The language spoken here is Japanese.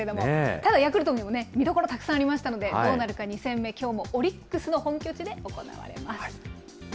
ただヤクルトにもね、見どころたくさんありましたので、どうなるか、２戦目、きょうもオリックスの本拠地で行われます。